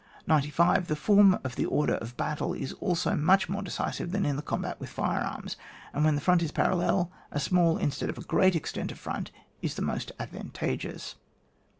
95. The form of the order of bcutle is also much more decisive than in the combat with fire arms, and when the front is parallel, a small instead of a great extent of front is the most ad vantageous.